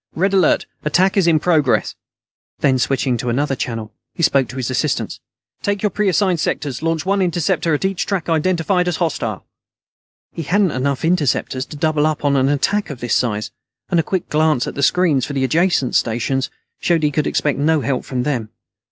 "Red Alert. Attack is in progress." Then switching to another channel, he spoke to his assistants: "Take your preassigned sectors. Launch one interceptor at each track identified as hostile." He hadn't enough interceptors to double up on an attack of this size, and a quick glance at the screens for the adjacent stations showed he could expect no help from them.